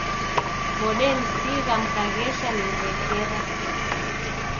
Modenisigha mkaghesha nimmbesera.